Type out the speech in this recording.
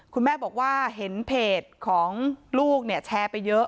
คุณแม่บอกว่าเห็นเพจของลูกเนี่ยแชร์ไปเยอะ